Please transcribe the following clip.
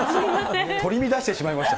取り乱してしまいました。